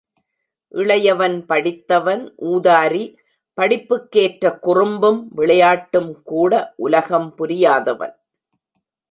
இளையவன் படித்தவன் ஊதாரி, படிப்புக்கேற்ற குறும்பும் விளையாட்டும்கூட, உலகம் புரியாதவன்.